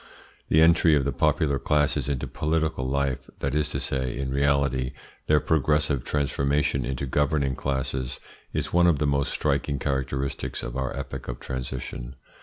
The entry of the popular classes into political life that is to say, in reality, their progressive transformation into governing classes is one of the most striking characteristics of our epoch of transition.